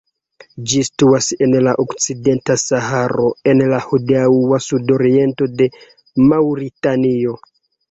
Ĝi situas en la okcidenta Saharo en la hodiaŭa sudoriento de Maŭritanio.